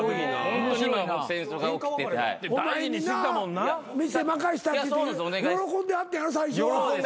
お前にな店任せたって言って喜んではったやろ最初は。